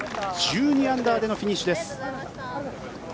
１２アンダーでのフィニッシュです。